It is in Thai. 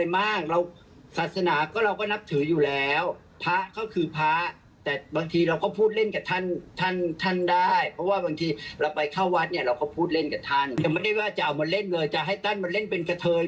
แต่ไม่ได้ว่าจะเอามาเล่นเลยจะให้ท่านมาเล่นเป็นกระเทย